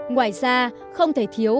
ngoài ra không thể thiếu